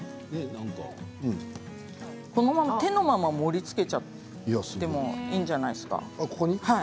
手のまま盛りつけちゃってもいいんじゃないですか。